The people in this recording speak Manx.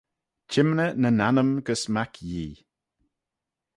Çhymney nyn annym gys mac Yee.